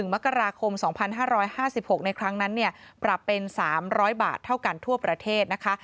มกราคม๒๕๕๖ในครั้งนั้นปรับเป็น๓๐๐บาทเท่ากันทั่วประเทศนะคะ